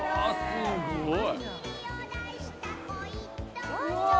すごい！